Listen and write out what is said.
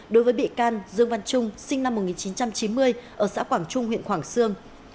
đối với bị can dương văn trung sinh năm một nghìn chín trăm chín mươi ở xã quảng trung huyện quảng sương